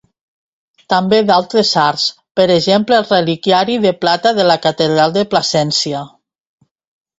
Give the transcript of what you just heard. També d'altres arts, per exemple el reliquiari de plata de la catedral de Plasència.